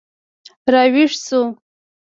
راویښ شو